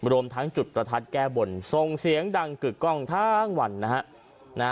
รวมทั้งจุดประทัดแก้บนส่งเสียงดังกึกกล้องทั้งวันนะฮะ